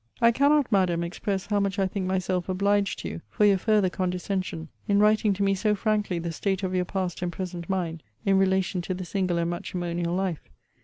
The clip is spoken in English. I cannot, Madam, express how much I think myself obliged to you for your farther condescension, in writing to me so frankly the state of your past and present mind, in relation to the single and matrimonial life.